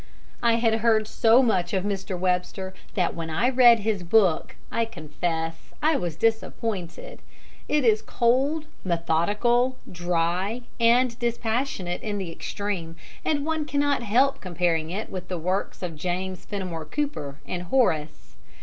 I had heard so much of Mr. Webster that when I read his book I confess I was disappointed. It is cold, methodical, dry, and dispassionate in the extreme, and one cannot help comparing it with the works of James Fenimore Cooper and Horace.